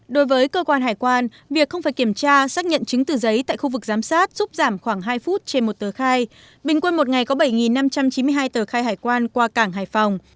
đối với cơ quan hải quan việc không phải kiểm tra xác nhận chứng từ giấy tại khu vực giám sát giúp giảm khoảng hai phút trên một tờ khai bình quân một ngày có bảy năm trăm chín mươi hai tờ khai hải quan qua cảng hải phòng